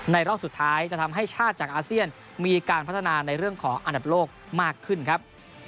รอบสุดท้ายจะทำให้ชาติจากอาเซียนมีการพัฒนาในเรื่องของอันดับโลกมากขึ้นครับ